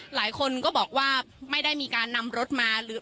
หลายคนก็บอกว่าไม่ได้มีการนำรถมาหรือ